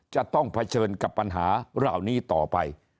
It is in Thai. จะต้องเผชิญกับปัญหาเหล่านี้ต่อไป